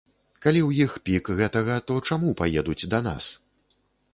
Калі ў іх пік гэтага, то чаму паедуць да нас?